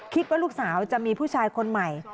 คิดว่าลูกสาวจะมีผู้ชายคนใหม่